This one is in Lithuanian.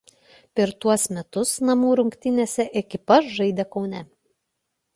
Per tuos metus namų rungtynes ekipa žaidė Kaune.